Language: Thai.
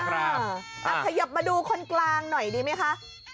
ขยบมาดูคนกลางหน่อยดีไหมคะ